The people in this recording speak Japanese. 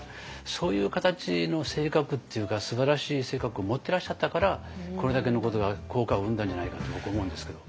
そういう形の性格っていうかすばらしい性格を持ってらっしゃったからこれだけのことが効果を生んだんじゃないかと僕思うんですけど。